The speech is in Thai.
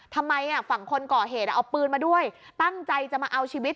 ทำไมฝั่งคนก่อเหตุเอาปืนมาด้วยตั้งใจจะมาเอาชีวิต